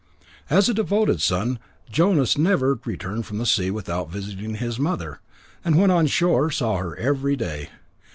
As a devoted son, Jonas never returned from sea without visiting his mother, and when on shore saw her every day.